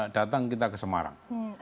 datang kita ke semarang